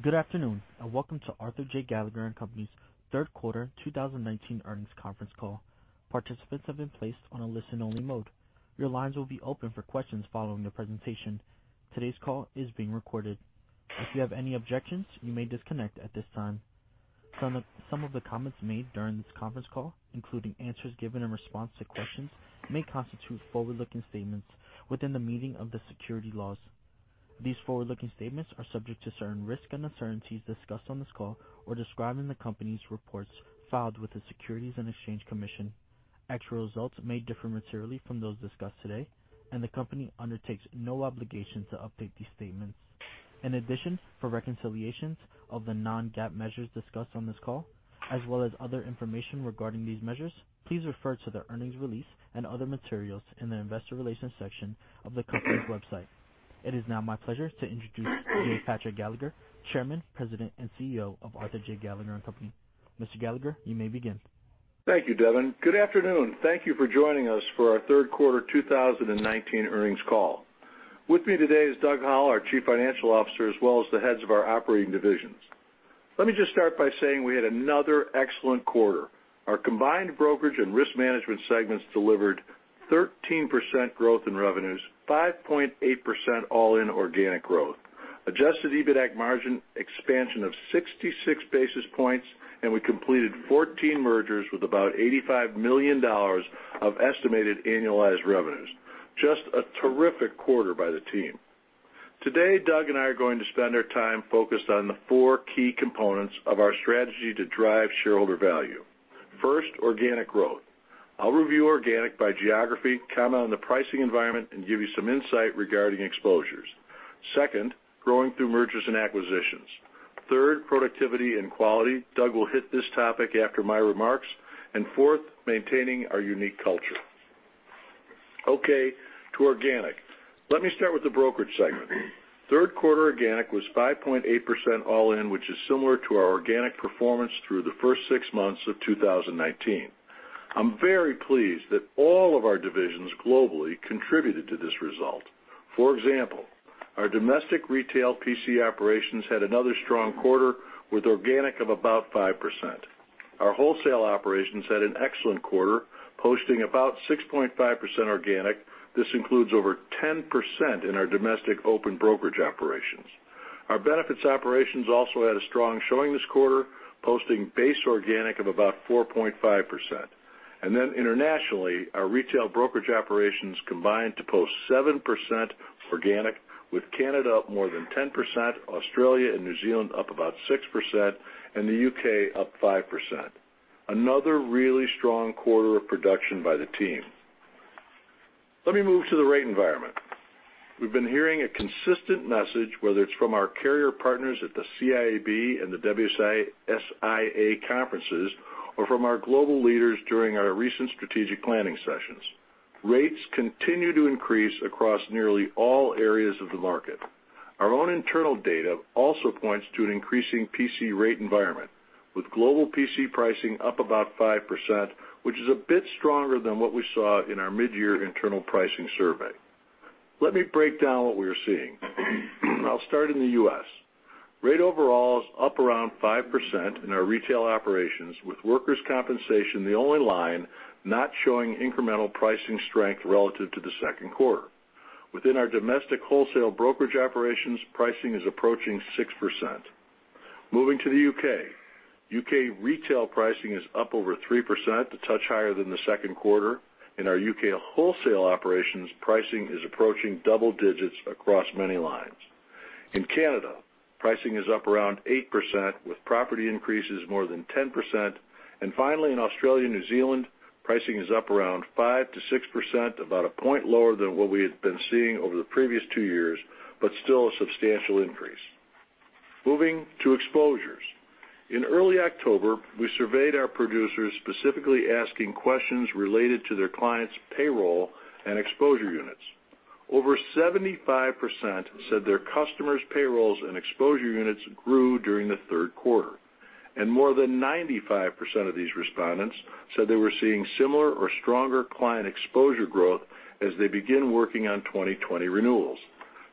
Good afternoon, welcome to Arthur J. Gallagher & Co.'s third quarter 2019 earnings conference call. Participants have been placed on a listen-only mode. Your lines will be open for questions following the presentation. Today's call is being recorded. If you have any objections, you may disconnect at this time. Some of the comments made during this conference call, including answers given in response to questions, may constitute forward-looking statements within the meaning of the securities laws. These forward-looking statements are subject to certain risks and uncertainties discussed on this call or described in the company's reports filed with the Securities and Exchange Commission. Actual results may differ materially from those discussed today, the company undertakes no obligation to update these statements. In addition, for reconciliations of the non-GAAP measures discussed on this call, as well as other information regarding these measures, please refer to the earnings release and other materials in the investor relations section of the company's website. It is now my pleasure to introduce J. Patrick Gallagher, Chairman, President, and CEO of Arthur J. Gallagher & Co. Mr. Gallagher, you may begin. Thank you, Devin. Good afternoon. Thank you for joining us for our third quarter 2019 earnings call. With me today is Doug Howell, our Chief Financial Officer, as well as the heads of our operating divisions. Let me just start by saying we had another excellent quarter. Our combined brokerage and risk management segments delivered 13% growth in revenues, 5.8% all-in organic growth, adjusted EBITAC margin expansion of 66 basis points. We completed 14 mergers with about $85 million of estimated annualized revenues. Just a terrific quarter by the team. Today, Doug and I are going to spend our time focused on the four key components of our strategy to drive shareholder value. First, organic growth. I'll review organic by geography, comment on the pricing environment, give you some insight regarding exposures. Second, growing through mergers and acquisitions. Third, productivity and quality. Doug will hit this topic after my remarks. Fourth, maintaining our unique culture. Okay, to organic. Let me start with the brokerage segment. Third quarter organic was 5.8% all in, which is similar to our organic performance through the first six months of 2019. I'm very pleased that all of our divisions globally contributed to this result. For example, our domestic retail PC operations had another strong quarter with organic of about 5%. Our wholesale operations had an excellent quarter, posting about 6.5% organic. This includes over 10% in our domestic open brokerage operations. Our benefits operations also had a strong showing this quarter, posting base organic of about 4.5%. Internationally, our retail brokerage operations combined to post 7% organic, with Canada up more than 10%, Australia and New Zealand up about 6%, and the U.K. up 5%. Another really strong quarter of production by the team. Let me move to the rate environment. We've been hearing a consistent message, whether it's from our carrier partners at the CIAB and the WSIA conferences or from our global leaders during our recent strategic planning sessions. Rates continue to increase across nearly all areas of the market. Our own internal data also points to an increasing PC rate environment, with global PC pricing up about 5%, which is a bit stronger than what we saw in our mid-year internal pricing survey. Let me break down what we are seeing, and I'll start in the U.S. Rate overall is up around 5% in our retail operations, with workers' compensation the only line not showing incremental pricing strength relative to the second quarter. Within our domestic wholesale brokerage operations, pricing is approaching 6%. Moving to the U.K. U.K. retail pricing is up over 3% to touch higher than the second quarter. In our U.K. wholesale operations, pricing is approaching double digits across many lines. In Canada, pricing is up around 8%, with property increases more than 10%. Finally, in Australia and New Zealand, pricing is up around 5% to 6%, about a point lower than what we had been seeing over the previous two years, but still a substantial increase. Moving to exposures. In early October, we surveyed our producers, specifically asking questions related to their clients' payroll and exposure units. Over 75% said their customers' payrolls and exposure units grew during the third quarter, and more than 95% of these respondents said they were seeing similar or stronger client exposure growth as they begin working on 2020 renewals.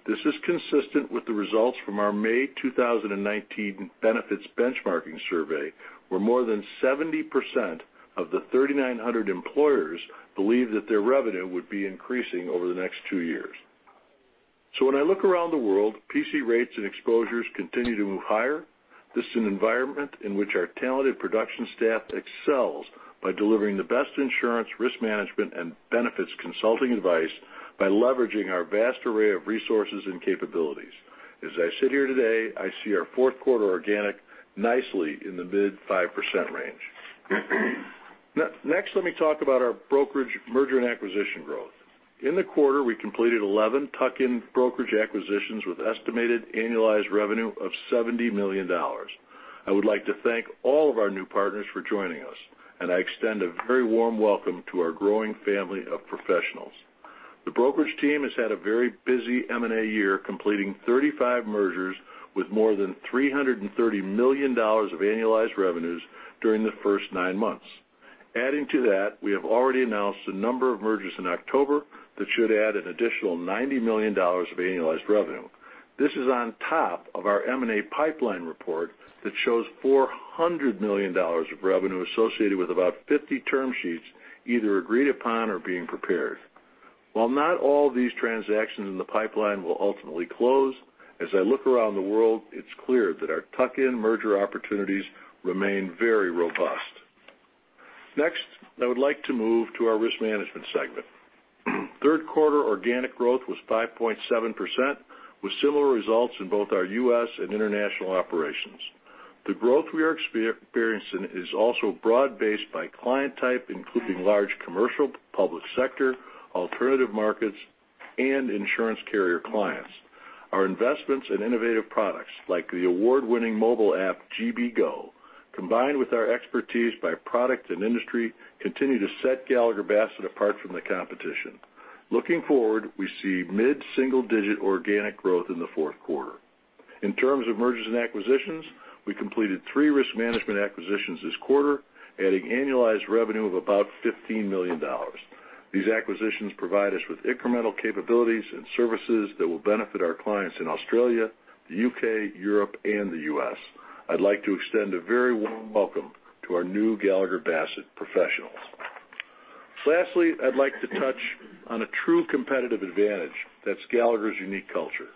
This is consistent with the results from our May 2019 benefits benchmarking survey, where more than 70% of the 3,900 employers believe that their revenue would be increasing over the next two years. When I look around the world, PC rates and exposures continue to move higher. This is an environment in which our talented production staff excels by delivering the best insurance risk management and benefits consulting advice by leveraging our vast array of resources and capabilities. As I sit here today, I see our fourth quarter organic nicely in the mid 5% range. Next, let me talk about our brokerage merger and acquisition growth. In the quarter, we completed 11 tuck-in brokerage acquisitions with estimated annualized revenue of $70 million. I would like to thank all of our new partners for joining us, and I extend a very warm welcome to our growing family of professionals. The brokerage team has had a very busy M&A year, completing 35 mergers with more than $330 million of annualized revenues during the first nine months. Adding to that, we have already announced a number of mergers in October that should add an additional $90 million of annualized revenue. This is on top of our M&A pipeline report that shows $400 million of revenue associated with about 50 term sheets either agreed upon or being prepared. While not all these transactions in the pipeline will ultimately close, as I look around the world, it's clear that our tuck-in merger opportunities remain very robust. Next, I would like to move to our risk management segment. Third quarter organic growth was 5.7%, with similar results in both our U.S. and international operations. The growth we are experiencing is also broad-based by client type, including large commercial, public sector, alternative markets, and insurance carrier clients. Our investments in innovative products, like the award-winning mobile app GB GO, combined with our expertise by product and industry, continue to set Gallagher Bassett apart from the competition. Looking forward, we see mid-single digit organic growth in the fourth quarter. In terms of mergers and acquisitions, we completed three risk management acquisitions this quarter, adding annualized revenue of about $15 million. These acquisitions provide us with incremental capabilities and services that will benefit our clients in Australia, the U.K., Europe, and the U.S. I'd like to extend a very warm welcome to our new Gallagher Bassett professionals. Lastly, I'd like to touch on a true competitive advantage that's Gallagher's unique culture.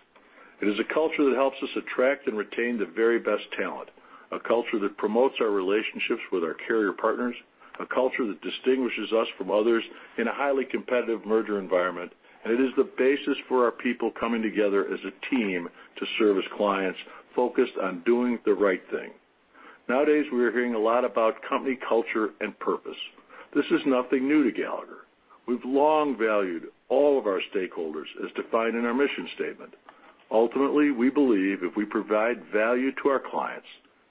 It is a culture that helps us attract and retain the very best talent, a culture that promotes our relationships with our carrier partners, a culture that distinguishes us from others in a highly competitive merger environment, and it is the basis for our people coming together as a team to service clients focused on doing the right thing. Nowadays, we are hearing a lot about company culture and purpose. This is nothing new to Gallagher. We've long valued all of our stakeholders as defined in our mission statement. Ultimately, we believe if we provide value to our clients,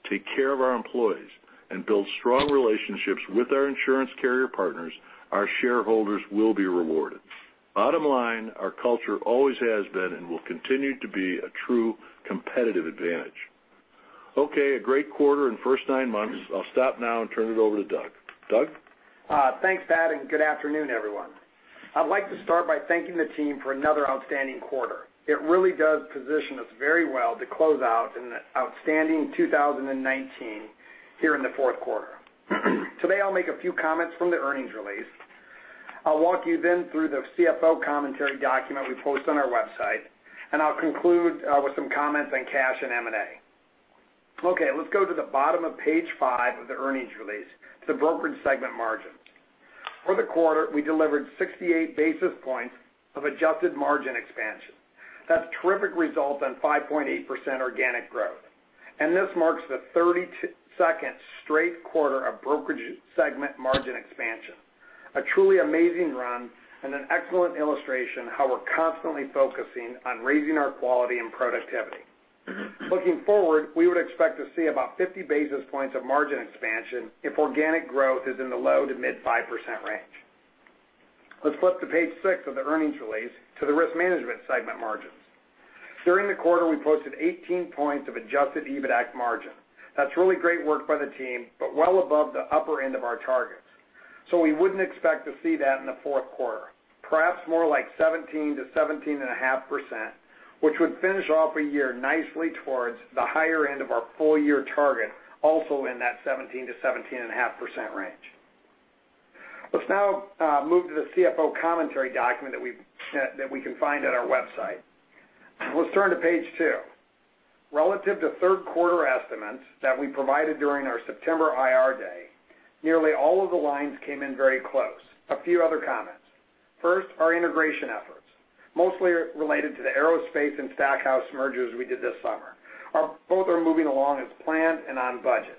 take care of our employees, and build strong relationships with our insurance carrier partners, our shareholders will be rewarded. Bottom line, our culture always has been and will continue to be a true competitive advantage. Okay, a great quarter and first nine months. I'll stop now and turn it over to Doug. Doug? Thanks, Pat, and good afternoon, everyone. I'd like to start by thanking the team for another outstanding quarter. It really does position us very well to close out an outstanding 2019 here in the fourth quarter. Today, I'll make a few comments from the earnings release. I'll walk you then through the CFO commentary document we post on our website, and I'll conclude with some comments on cash and M&A. Okay, let's go to the bottom of page five of the earnings release to the brokerage segment margin. For the quarter, we delivered 68 basis points of adjusted margin expansion. That's terrific result on 5.8% organic growth. This marks the 32nd straight quarter of brokerage segment margin expansion. A truly amazing run and an excellent illustration how we're constantly focusing on raising our quality and productivity. Looking forward, we would expect to see about 50 basis points of margin expansion if organic growth is in the low to mid 5% range. Let's flip to page six of the earnings release to the risk management segment margins. During the quarter, we posted 18 points of adjusted EBITAC margin. That's really great work by the team, but well above the upper end of our targets. We wouldn't expect to see that in the fourth quarter. Perhaps more like 17%-17.5%, which would finish off a year nicely towards the higher end of our full year target, also in that 17%-17.5% range. Let's now move to the CFO commentary document that we can find on our website. Let's turn to page two. Relative to third quarter estimates that we provided during our September IR Day, nearly all of the lines came in very close. A few other comments. First, our integration efforts, mostly related to the aerospace and Stackhouse mergers we did this summer. Both are moving along as planned and on budget.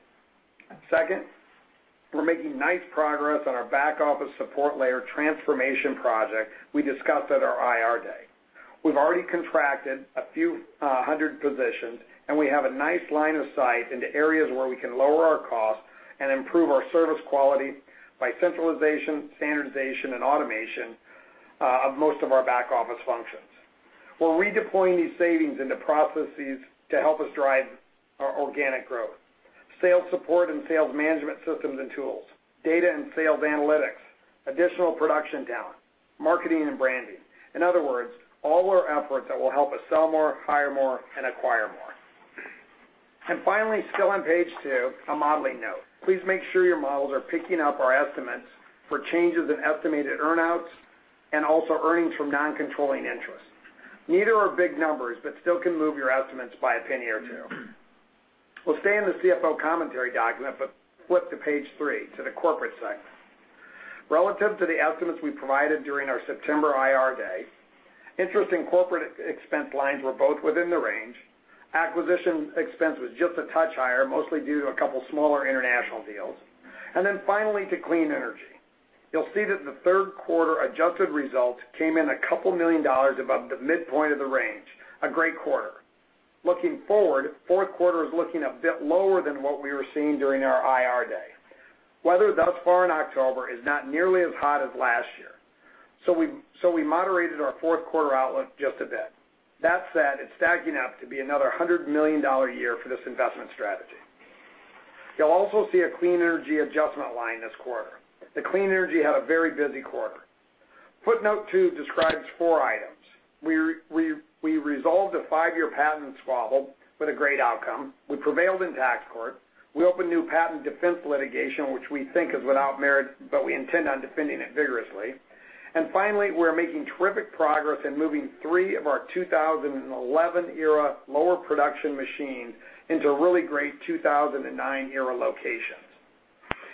Second, we're making nice progress on our back office support layer transformation project we discussed at our IR Day. We've already contracted a few hundred positions, and we have a nice line of sight into areas where we can lower our cost and improve our service quality by centralization, standardization, and automation of most of our back office functions. We're redeploying these savings into processes to help us drive our organic growth. Sales support and sales management systems and tools, data and sales analytics, additional production talent, marketing and branding. In other words, all our efforts that will help us sell more, hire more, and acquire more. Finally, still on page two, a modeling note. Please make sure your models are picking up our estimates for changes in estimated earn-outs and also earnings from non-controlling interests. Neither are big numbers, but still can move your estimates by a penny or two. We'll stay in the CFO commentary document, but flip to page three, to the corporate segment. Relative to the estimates we provided during our September IR Day, interest and corporate expense lines were both within the range. Acquisition expense was just a touch higher, mostly due to a couple of smaller international deals. Finally, to clean energy. You'll see that the third quarter adjusted results came in a couple million dollars above the midpoint of the range. A great quarter. Looking forward, fourth quarter is looking a bit lower than what we were seeing during our IR Day. Weather thus far in October is not nearly as hot as last year. We moderated our fourth quarter outlook just a bit. That said, it's stacking up to be another $100 million year for this investment strategy. You'll also see a clean energy adjustment line this quarter. The clean energy had a very busy quarter. Footnote two describes four items. We resolved a five-year patent squabble with a great outcome. We prevailed in tax court. We opened new patent defense litigation, which we think is without merit, but we intend on defending it vigorously. Finally, we're making terrific progress in moving three of our 2011 era lower production machines into really great 2009 era locations.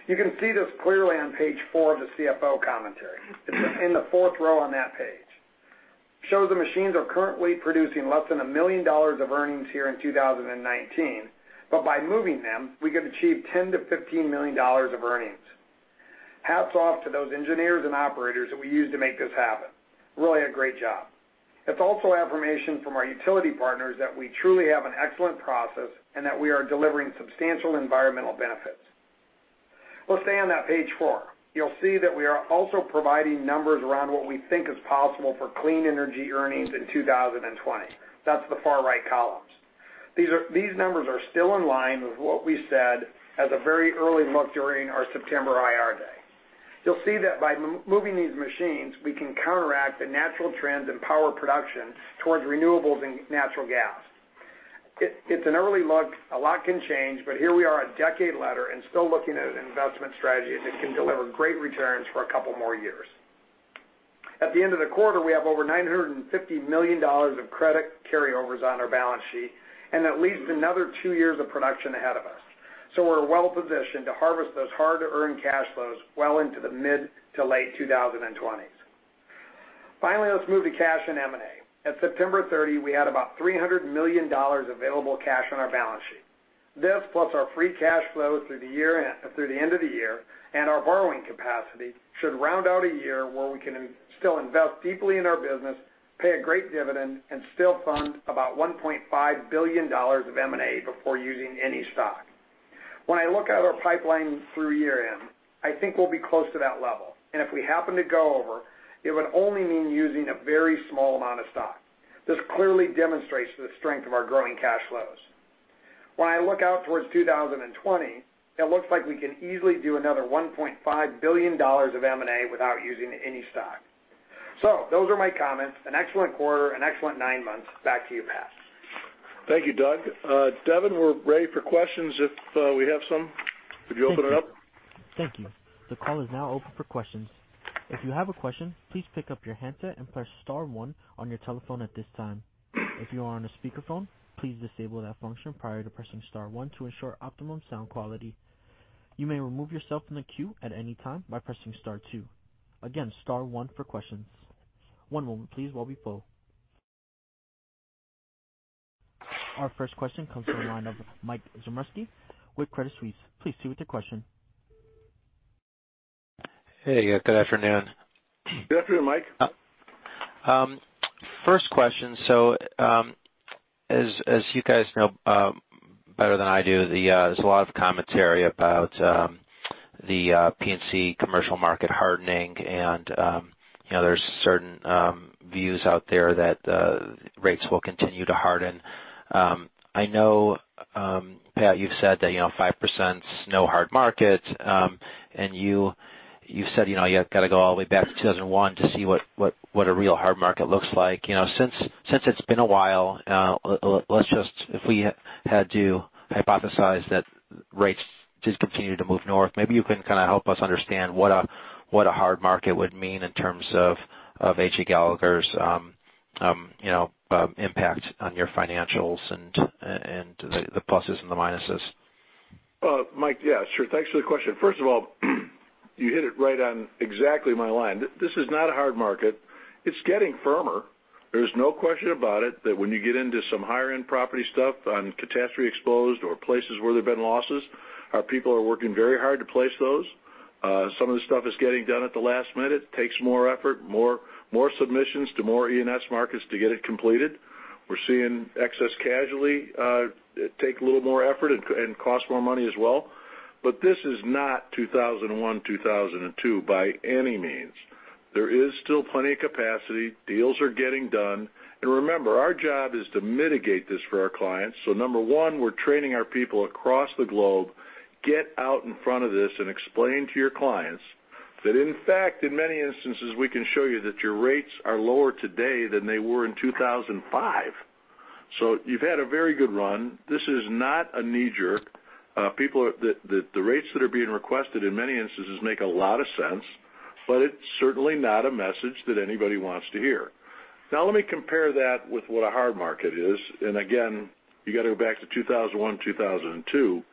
You can see this clearly on page four of the CFO commentary. It's in the fourth row on that page. Shows the machines are currently producing less than $1 million of earnings here in 2019, but by moving them, we could achieve $10 million-$15 million of earnings. Hats off to those engineers and operators that we use to make this happen. Really a great job. It's also affirmation from our utility partners that we truly have an excellent process and that we are delivering substantial environmental benefits. We'll stay on that page four. You'll see that we are also providing numbers around what we think is possible for clean energy earnings in 2020. That's the far right columns. These numbers are still in line with what we said as a very early look during our September IR Day. You'll see that by moving these machines, we can counteract the natural trends in power production towards renewables and natural gas. It's an early look. A lot can change. Here we are a decade later and still looking at an investment strategy that can deliver great returns for a couple more years. At the end of the quarter, we have over $950 million of credit carryovers on our balance sheet and at least another two years of production ahead of us. We're well-positioned to harvest those hard to earn cash flows well into the mid to late 2020s. Finally, let's move to cash and M&A. At September 30, we had about $300 million available cash on our balance sheet. This, plus our free cash flow through the end of the year, and our borrowing capacity, should round out a year where we can still invest deeply in our business, pay a great dividend, and still fund about $1.5 billion of M&A before using any stock. When I look at our pipeline through year end, I think we'll be close to that level. If we happen to go over, it would only mean using a very small amount of stock. This clearly demonstrates the strength of our growing cash flows. When I look out towards 2020, it looks like we can easily do another $1.5 billion of M&A without using any stock. Those are my comments. An excellent quarter, an excellent nine months. Back to you, Pat. Thank you, Doug. Devin, we're ready for questions if we have some. Could you open it up? Thank you. The call is now open for questions. If you have a question, please pick up your handset and press star one on your telephone at this time. If you are on a speakerphone, please disable that function prior to pressing star one to ensure optimum sound quality. You may remove yourself from the queue at any time by pressing star two. Again, star one for questions. One moment please while we poll. Our first question comes from the line of Mike Zaremski with Credit Suisse. Please proceed with your question. Hey, good afternoon. Good afternoon, Mike. First question, as you guys know better than I do, there's a lot of commentary about the P&C commercial market hardening and there's certain views out there that rates will continue to harden. I know, Pat, you've said that 5%'s no hard market, and you said you have got to go all the way back to 2001 to see what a real hard market looks like. Since it's been a while, if we had to hypothesize that rates just continue to move north, maybe you can kind of help us understand what a hard market would mean in terms of A.J. Gallagher's impact on your financials and the pluses and the minuses. Mike, yeah, sure. Thanks for the question. First of all, you hit it right on exactly my line. This is not a hard market. It's getting firmer. There's no question about it that when you get into some higher end property stuff on catastrophe exposed or places where there have been losses, our people are working very hard to place those. Some of the stuff is getting done at the last minute, takes more effort, more submissions to more E&S markets to get it completed. We're seeing excess casualty take a little more effort and cost more money as well. This is not 2001, 2002 by any means. There is still plenty of capacity. Deals are getting done. Remember, our job is to mitigate this for our clients. Number one, we're training our people across the globe, get out in front of this and explain to your clients that in fact, in many instances, we can show you that your rates are lower today than they were in 2005. You've had a very good run. This is not a knee-jerk. The rates that are being requested in many instances make a lot of sense, it's certainly not a message that anybody wants to hear. Now, let me compare that with what a hard market is. Again, you got to go back to 2001, 2002,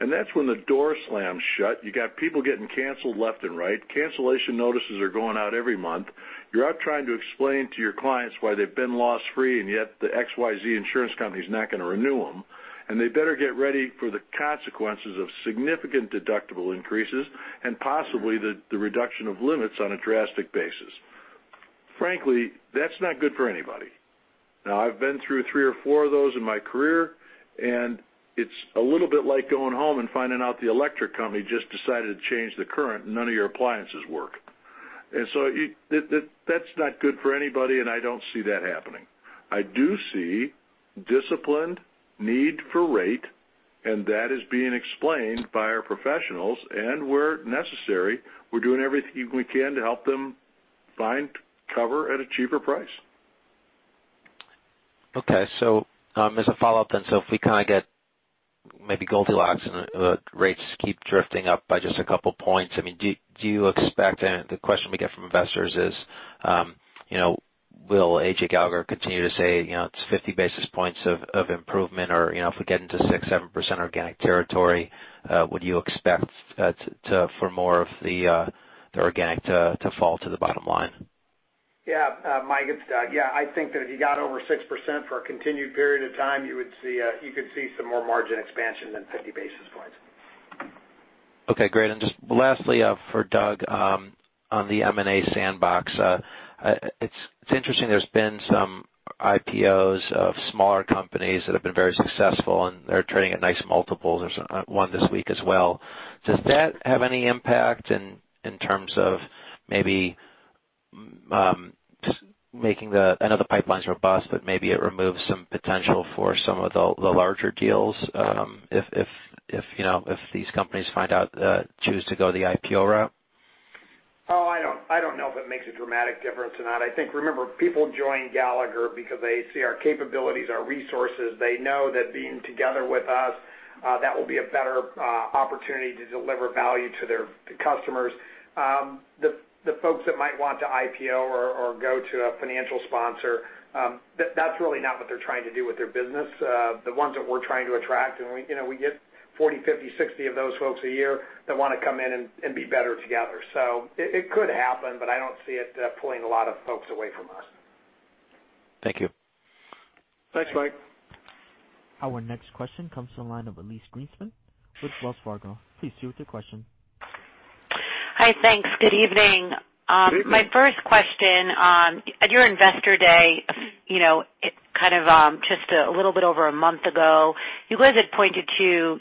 and that's when the door slams shut. You got people getting canceled left and right. Cancellation notices are going out every month. You're out trying to explain to your clients why they've been loss free, the XYZ insurance company's not going to renew them. They better get ready for the consequences of significant deductible increases and possibly the reduction of limits on a drastic basis. Frankly, that's not good for anybody. I've been through three or four of those in my career, it's a little bit like going home and finding out the electric company just decided to change the current, none of your appliances work. That's not good for anybody, I don't see that happening. I do see disciplined need for rate, that is being explained by our professionals, where necessary, we're doing everything we can to help them find cover at a cheaper price. As a follow-up, if we get maybe Goldilocks and the rates keep drifting up by just a couple points, do you expect, the question we get from investors is, will AJ Gallagher continue to say it's 50 basis points of improvement? If we get into 6, 7% organic territory, would you expect for more of the organic to fall to the bottom line? Yeah. Mike, it's Doug. Yeah, I think that if you got over 6% for a continued period of time, you could see some more margin expansion than 50 basis points. Okay, great. Just lastly for Doug, on the M&A sandbox. It's interesting, there's been some IPOs of smaller companies that have been very successful, and they're trading at nice multiples. There's one this week as well. Does that have any impact in terms of maybe just making the-- I know the pipeline's robust, but maybe it removes some potential for some of the larger deals, if these companies find out, choose to go the IPO route? Oh, I don't know if it makes a dramatic difference or not. I think, remember, people join Gallagher because they see our capabilities, our resources. They know that being together with us, that will be a better opportunity to deliver value to their customers. The folks that might want to IPO or go to a financial sponsor, that's really not what they're trying to do with their business. The ones that we're trying to attract, and we get 40, 50, 60 of those folks a year that want to come in and be better together. It could happen, but I don't see it pulling a lot of folks away from us. Thank you. Thanks, Mike. Our next question comes from the line of Elyse Greenspan with Wells Fargo. Please proceed with your question. Hi, thanks. Good evening. Good evening. My first question. At your Investor Day, just a little bit over a month ago, you guys had pointed to,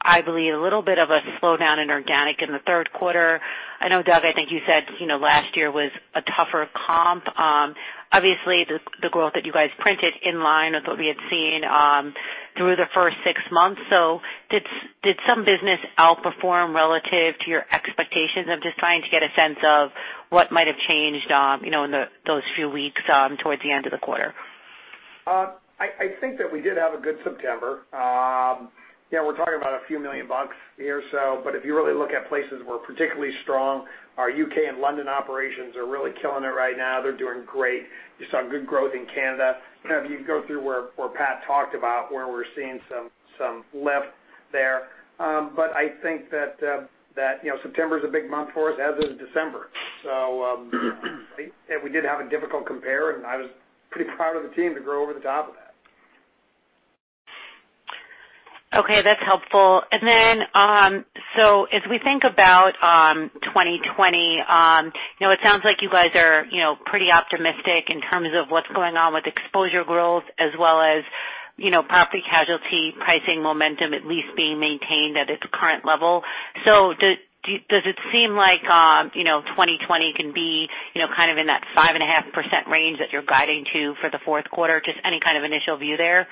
I believe, a little bit of a slowdown in organic in the third quarter. I know, Doug, I think you said last year was a tougher comp. Obviously, the growth that you guys printed inline with what we had seen through the first six months. Did some business outperform relative to your expectations? I'm just trying to get a sense of what might have changed in those few weeks towards the end of the quarter. I think that we did have a good September. Yeah, we're talking about a few million dollars here. If you really look at places we're particularly strong, our U.K. and London operations are really killing it right now. They're doing great. You saw good growth in Canada. You go through where Pat talked about where we're seeing some lift there. I think that September is a big month for us, as is December. We did have a difficult compare, and I was pretty proud of the team to grow over the top of that. Okay, that's helpful. As we think about 2020, it sounds like you guys are pretty optimistic in terms of what's going on with exposure growth as well as property casualty pricing momentum at least being maintained at its current level. Does it seem like 2020 can be in that 5.5% range that you're guiding to for the fourth quarter? Just any kind of initial view there. Yeah,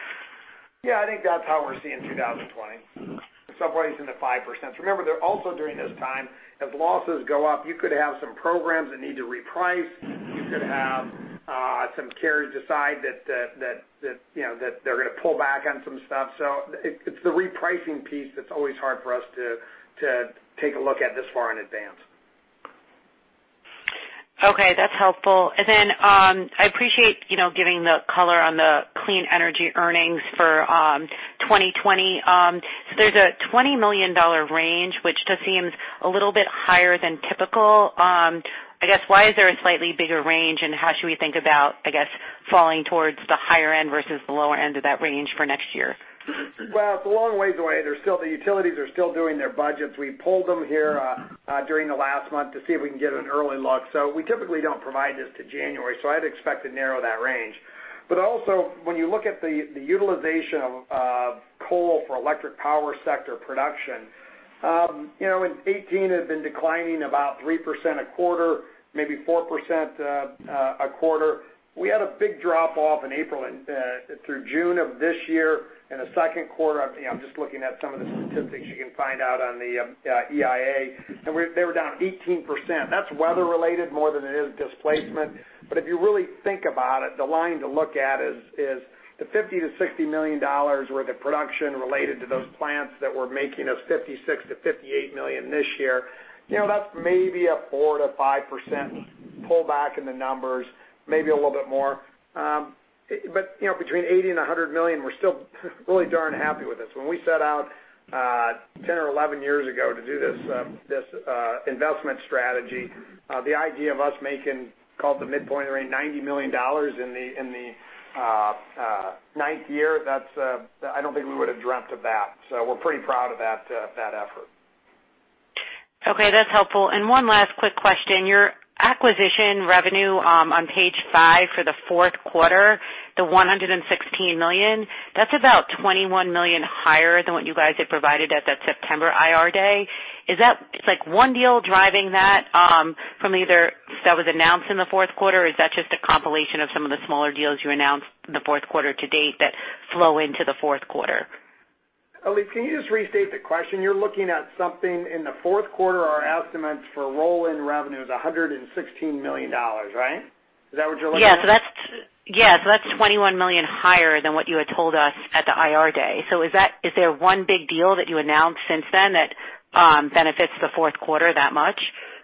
I think that's how we're seeing 2020. Somewhere into 5%. Remember, also during this time, as losses go up, you could have some programs that need to reprice. You could have some carriers decide that they're going to pull back on some stuff. It's the repricing piece that's always hard for us to take a look at this far in advance. Okay, that's helpful. I appreciate giving the color on the clean energy earnings for 2020. There's a $20 million range, which just seems a little bit higher than typical. I guess, why is there a slightly bigger range, and how should we think about, I guess, falling towards the higher end versus the lower end of that range for next year? It's a long ways away. The utilities are still doing their budgets. We pulled them here during the last month to see if we can get an early look. We typically don't provide this till January, I'd expect to narrow that range. When you look at the utilization of coal for electric power sector production, in 2018, it had been declining about 3% a quarter, maybe 4% a quarter. We had a big drop-off in April through June of this year. In the second quarter, I'm just looking at some of the statistics you can find out on the EIA. They were down 18%. That's weather related more than it is displacement. If you really think about it, the line to look at is the $50 million-$60 million where the production related to those plants that were making us $56 million-$58 million this year. That's maybe a 4%-5% pullback in the numbers, maybe a little bit more. Between $80 million and $100 million, we're still really darn happy with this. When we set out 10 or 11 years ago to do this investment strategy, the idea of us making, call it the midpoint or $90 million in the ninth year, I don't think we would've dreamt of that. We're pretty proud of that effort. Okay, that's helpful. One last quick question. Your acquisition revenue on page five for the fourth quarter, the $116 million, that's about $21 million higher than what you guys had provided at that September IR Day. Is that one deal driving that from either that was announced in the fourth quarter, or is that just a compilation of some of the smaller deals you announced the fourth quarter to date that flow into the fourth quarter? Elyse, can you just restate the question? You're looking at something in the fourth quarter, our estimates for roll-in revenue is $116 million, right? Is that what you're looking at? That's $21 million higher than what you had told us at the IR Day. Is there one big deal that you announced since then that benefits the fourth quarter that much?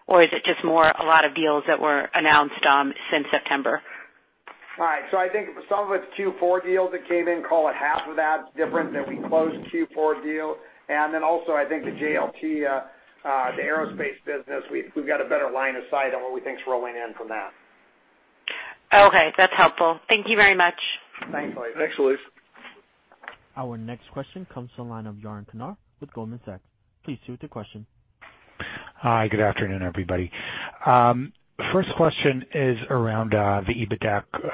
Is it just more a lot of deals that were announced since September? I think some of it's Q4 deals that came in, call it half of that difference that we closed Q4 deals. Also I think the JLT, the aerospace business, we've got a better line of sight on what we think is rolling in from that. That's helpful. Thank you very much. Thanks, Elyse. Our next question comes to the line of Yaron Kinar with Goldman Sachs. Please proceed with your question. Hi, good afternoon, everybody. First question is around the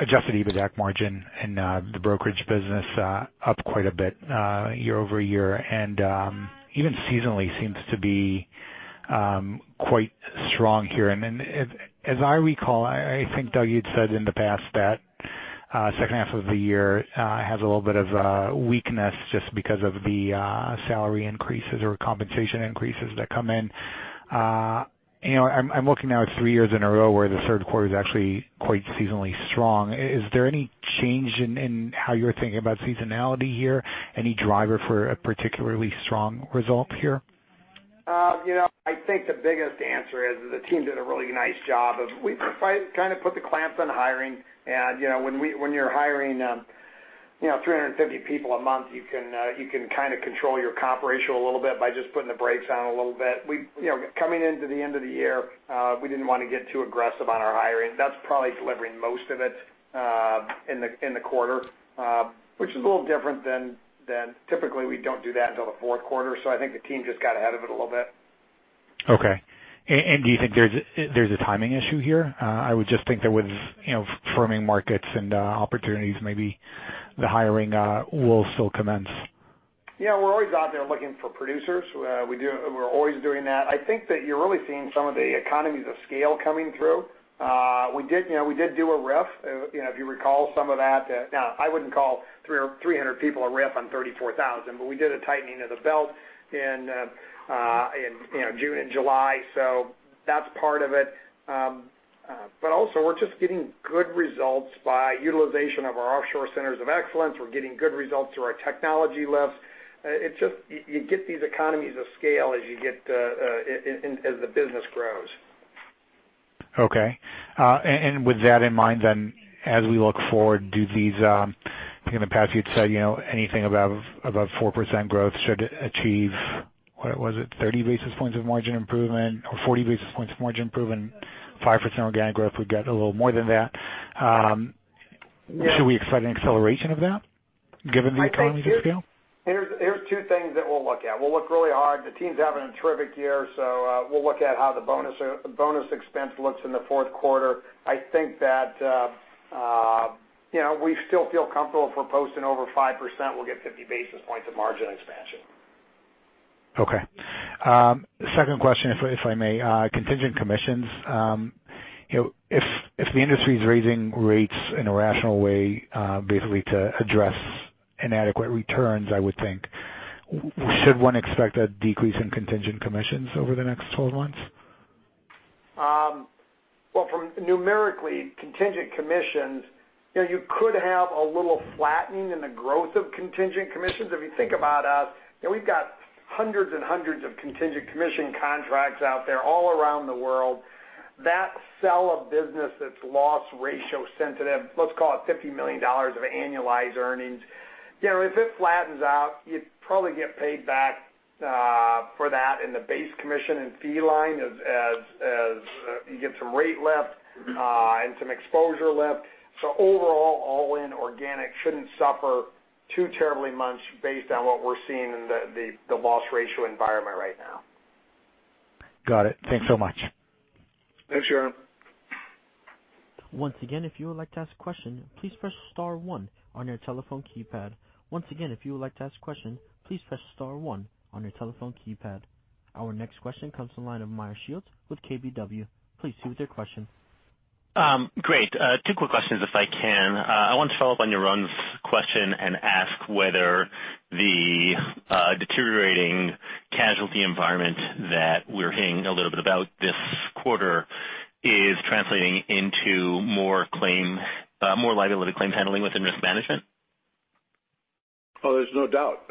adjusted EBITDAC margin and the brokerage business up quite a bit year-over-year, and even seasonally seems to be quite strong here. As I recall, I think, Doug, you'd said in the past that second half of the year has a little bit of a weakness just because of the salary increases or compensation increases that come in. I'm looking now at three years in a row where the third quarter is actually quite seasonally strong. Is there any change in how you're thinking about seasonality here? Any driver for a particularly strong result here? I think the biggest answer is the team did a really nice job of we kind of put the clamps on hiring, and when you're hiring 350 people a month, you can kind of control your comp ratio a little bit by just putting the brakes on a little bit. Coming into the end of the year, we didn't want to get too aggressive on our hiring. That's probably delivering most of it in the quarter, which is a little different than typically we don't do that until the fourth quarter. I think the team just got ahead of it a little bit. Okay. Do you think there's a timing issue here? I would just think there was firming markets and opportunities, maybe the hiring will still commence. Yeah, we're always out there looking for producers. We're always doing that. I think that you're really seeing some of the economies of scale coming through. We did do a RIF, if you recall some of that. Now, I wouldn't call 300 people a RIF on 34,000, but we did a tightening of the belt in June and July. That's part of it. Also we're just getting good results by utilization of our offshore centers of excellence. We're getting good results through our technology lifts. You get these economies of scale as the business grows. Okay. With that in mind then, as we look forward, in the past you'd said anything above 4% growth should achieve, what was it, 30 basis points of margin improvement or 40 basis points of margin improvement, 5% organic growth would get a little more than that. Yeah. Should we expect an acceleration of that, given the economies of scale? Here's two things that we'll look at. We'll look really hard. The team's having a terrific year, so we'll look at how the bonus expense looks in the fourth quarter. I think that we still feel comfortable if we're posting over 5%, we'll get 50 basis points of margin expansion. Okay. Second question, if I may. Contingent commissions. If the industry is raising rates in a rational way, basically to address inadequate returns, I would think, should one expect a decrease in contingent commissions over the next 12 months? Well, from numerically contingent commissions, you could have a little flattening in the growth of contingent commissions. If you think about us, we've got hundreds and hundreds of contingent commission contracts out there all around the world. That sell of business that's loss ratio sensitive, let's call it $50 million of annualized earnings. If it flattens out, you'd probably get paid back for that in the base commission and fee line as you get some rate lift and some exposure lift. Overall, all in organic shouldn't suffer too terribly much based on what we're seeing in the loss ratio environment right now. Got it. Thanks so much. Thanks, Yaron. Once again, if you would like to ask a question, please press star one on your telephone keypad. Once again, if you would like to ask a question, please press star one on your telephone keypad. Our next question comes to the line of Meyer Shields with KBW. Please proceed with your question. Great. Two quick questions, if I can. I want to follow up on Yaron's question and ask whether the deteriorating casualty environment that we're hearing a little bit about this quarter is translating into more liability claim handling within risk management. There's no doubt.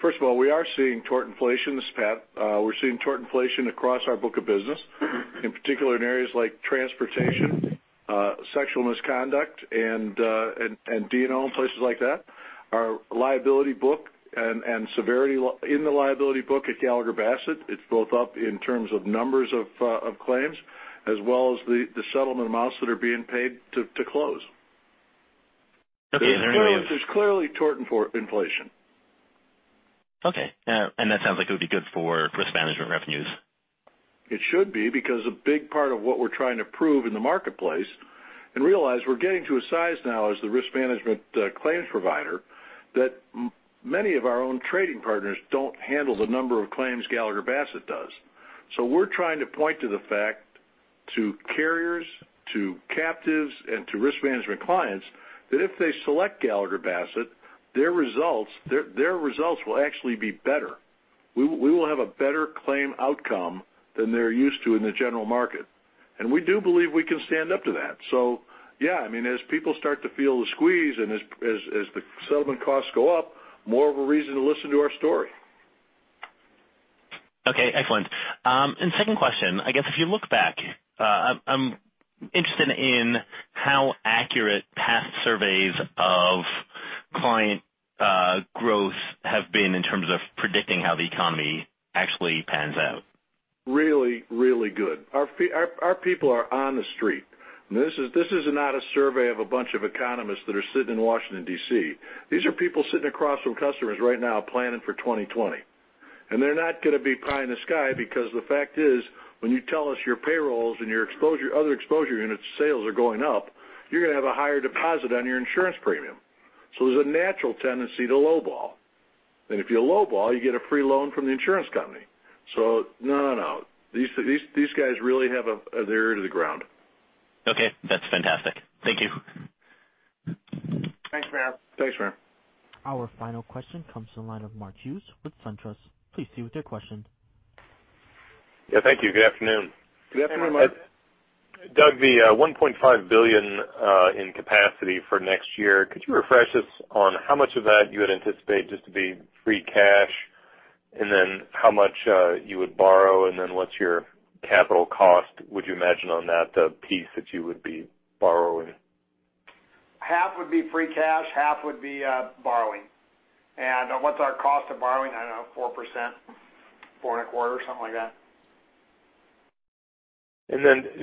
First of all, we are seeing tort inflation this past. We're seeing tort inflation across our book of business, in particular in areas like transportation, sexual misconduct, and D&O and places like that. Our liability book and severity in the liability book at Gallagher Bassett, it's both up in terms of numbers of claims as well as the settlement amounts that are being paid to close. Okay. Is there any way? There's clearly tort inflation. Okay. That sounds like it would be good for risk management revenues. It should be, because a big part of what we're trying to prove in the marketplace, and realize we're getting to a size now as the risk management claims provider, that many of our own trading partners don't handle the number of claims Gallagher Bassett does. We're trying to point to the fact to carriers, to captives, and to risk management clients, that if they select Gallagher Bassett, their results will actually be better. We will have a better claim outcome than they're used to in the general market. We do believe we can stand up to that. Yeah, as people start to feel the squeeze and as the settlement costs go up, more of a reason to listen to our story. Okay, excellent. Second question, I guess if you look back, I'm interested in how accurate past surveys of client growth have been in terms of predicting how the economy actually pans out. Really good. Our people are on the street. This is not a survey of a bunch of economists that are sitting in Washington, D.C. These are people sitting across from customers right now planning for 2020. They're not going to be pie in the sky because the fact is, when you tell us your payrolls and your other exposure units sales are going up, you're going to have a higher deposit on your insurance premium. There's a natural tendency to lowball. If you lowball, you get a free loan from the insurance company. No. These guys really have their ear to the ground. Okay, that's fantastic. Thank you. Thanks, Meyer. Thanks, Meyer. Our final question comes to the line of Mark Hughes with SunTrust. Please proceed with your question. Yeah, thank you. Good afternoon. Good afternoon, Mark. Doug, the $1.5 billion in capacity for next year, could you refresh us on how much of that you had anticipated just to be free cash? How much you would borrow, and what's your capital cost, would you imagine, on that piece that you would be borrowing? Half would be free cash, half would be borrowing. What's our cost of borrowing? I don't know, 4%, 4.25%, something like that.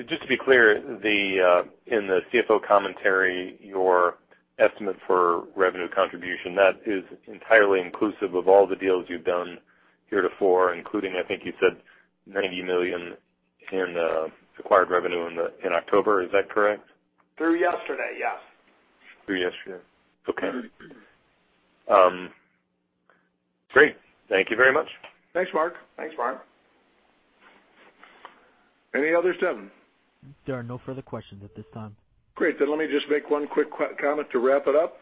Just to be clear, in the CFO commentary, your estimate for revenue contribution, that is entirely inclusive of all the deals you've done heretofore, including, I think you said, $90 million in acquired revenue in October. Is that correct? Through yesterday, yes. Through yesterday. Okay. Great. Thank you very much. Thanks, Mark. Thanks, Mark. Any other, Devin? There are no further questions at this time. Great. Let me just make one quick comment to wrap it up.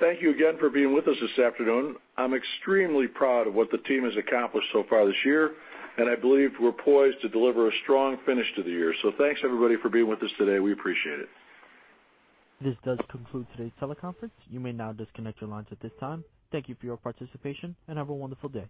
Thank you again for being with us this afternoon. I'm extremely proud of what the team has accomplished so far this year, and I believe we're poised to deliver a strong finish to the year. Thanks everybody for being with us today. We appreciate it. This does conclude today's teleconference. You may now disconnect your lines at this time. Thank you for your participation, and have a wonderful day.